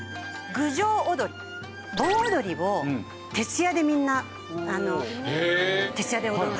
盆踊りを徹夜でみんな徹夜で踊る。